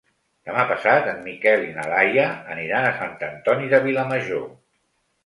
Demà passat en Miquel i na Laia aniran a Sant Antoni de Vilamajor.